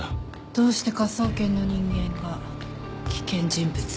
どうして科捜研の人間が危険人物と。